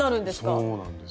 そうなんです。